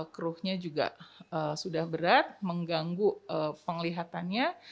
keruhnya juga sudah berat mengganggu penglihatannya